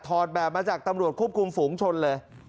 แบบมาจากตำรวจควบคุมฝูงชนเลย